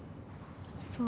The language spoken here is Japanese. そう。